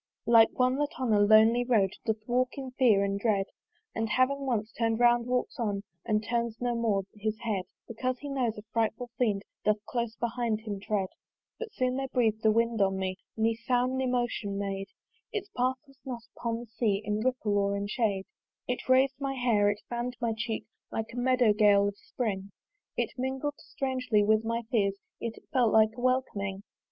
Like one, that on a lonely road Doth walk in fear and dread, And having once turn'd round, walks on And turns no more his head: Because he knows, a frightful fiend Doth close behind him tread. But soon there breath'd a wind on me, Ne sound ne motion made: Its path was not upon the sea In ripple or in shade. It rais'd my hair, it fann'd my cheek, Like a meadow gale of spring It mingled strangely with my fears, Yet it felt like a welcoming.